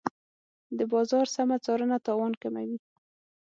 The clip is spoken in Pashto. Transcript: د بازار سمه څارنه تاوان کموي.